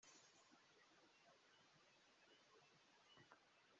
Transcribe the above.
Nyakare